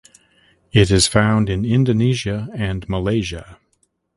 It is found in Indonesia and Malaysia.